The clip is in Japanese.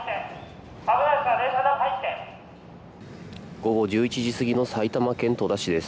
午後１１時すぎの埼玉県戸田市です。